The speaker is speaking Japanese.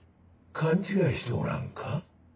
勘違いしておらんか？